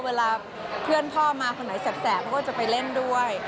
เวลาเพื่อนพ่อมาคนไหนแสบเขาก็จะไปเล่นด้วย